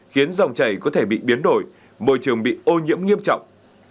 khiến dòng chảy có thể bị biến đổi môi trường bị ô nhiễm nghiêm trọng